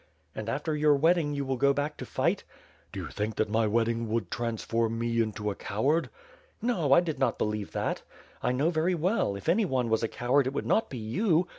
"And after your wedding you will go back to fight?" "Did you think that my wedding would transform me into a coward?" "No, I did not believe that. I know very well, if any one was a coward it would not be you.